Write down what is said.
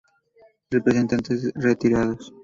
Representantes retirados